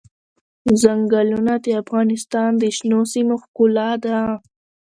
ځنګلونه د افغانستان د شنو سیمو ښکلا ده.